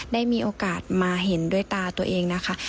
ได้มีโอกาสมาเห็นด้วยตาตัวเองนะคะ